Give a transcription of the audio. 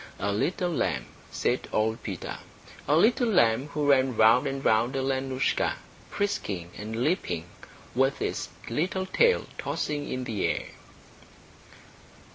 A little lamb, said old Peter, a little lamb who ran round and round Alenoushka, frisking and leaping, with its little tail tossing in the air.